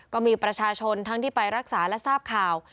ก็มีประชาชนทั้งที่ไปรักษาและทราบข่าว